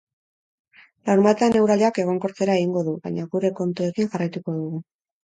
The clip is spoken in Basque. Larunbatean eguraldiak egonkortzera egingo du, baina euri kontuekin jarraituko dugu.